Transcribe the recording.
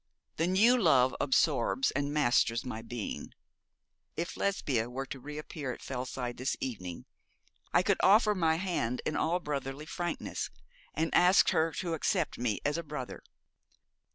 'The new love absorbs and masters my being. If Lesbia were to re appear at Fellside this evening, I could offer her my hand in all brotherly frankness, and ask her to accept me as a brother.